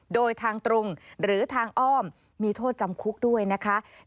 โดยทางตรงหรือทางอ้อมมีโทษจำคุกด้วยนะคะ